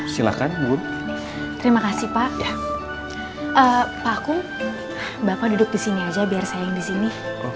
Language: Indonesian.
silakan bu terima kasih paku bapak duduk di sini aja biar saya yang di sini